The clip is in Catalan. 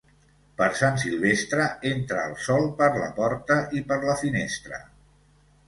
Per Sant Silvestre entra el sol per la porta i per la finestra.